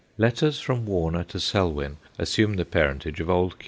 Letters from Warner to Selwyn assume the parentage of Old Q.